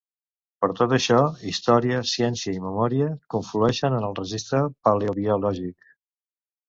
Per tot això, història, ciència i memòria conflueixen en el registre paleobiològic.